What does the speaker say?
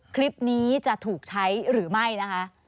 คลิปนี้จะถูกใช้หรือไม่นะคะ